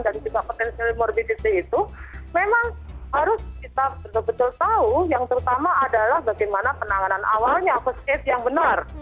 dan juga potensial morbidity itu memang harus kita betul betul tahu yang terutama adalah bagaimana penanganan awalnya first aid yang benar